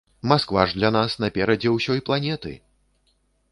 Масква ж для нас наперадзе ўсёй планеты.